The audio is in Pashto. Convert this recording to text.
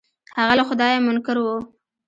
هغه له خدايه منکر و.